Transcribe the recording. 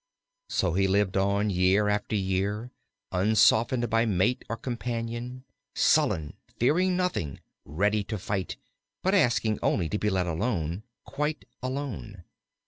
So he lived on year after year, unsoftened by mate or companion, sullen, fearing nothing, ready to fight, but asking only to be let alone quite alone.